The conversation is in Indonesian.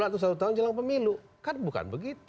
kan enam bulan atau satu tahun jelang pemilu kan bukan begitu